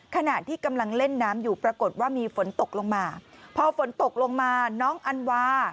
ขณะที่กำลังเล่นน้ำอยู่ปรากฏว่ามีฝนตกลงมาพอฝนตกลงมาน้องอันวา